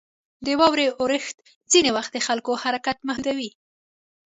• د واورې اورښت ځینې وخت د خلکو حرکت محدودوي.